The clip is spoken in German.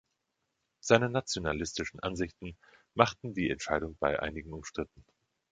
Seine nationalistischen Ansichten machten die Entscheidung bei einigen umstritten.